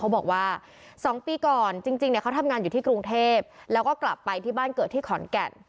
บอกว่า๒ปีก่อนจริงเนี่ยเขาทำงานอยู่ที่กรุงเทพแล้วก็กลับไปที่บ้านเกิดที่ขอนแก่น